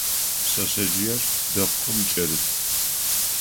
Пшъэшъэжъыер дэпкъым кӀэрыт.